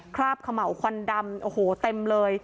ราบเขม่าวควันดำโอ้โหเต็มเลย